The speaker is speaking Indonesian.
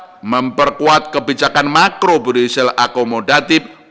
dan mempercepat transmisi kebijakan moneter dan kebijakan ekonomi nasional